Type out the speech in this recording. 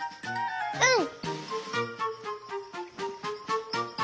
うん！